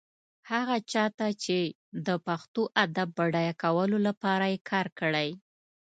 هغه چا ته چې د پښتو ادب بډایه کولو لپاره يې کار کړی.